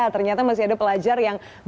ternyata masih ada pelajar yang